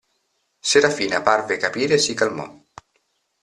Serafina parve capire e si calmò.